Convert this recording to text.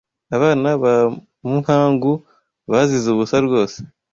Abana ba Muhangu bazize ubusa rwose